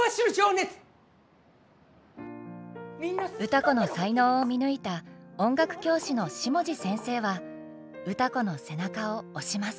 歌子の才能を見抜いた音楽教師の下地先生は歌子の背中を押します。